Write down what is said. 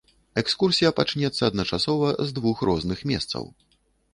Экскурсія пачнецца адначасова з двух розных месцаў.